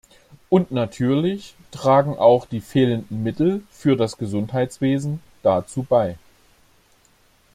Und natürlich tragen auch die fehlenden Mittel für das Gesundheitswesen dazu bei.